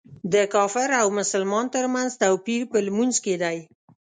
د کافر او مسلمان تر منځ توپیر په لمونځ کې دی.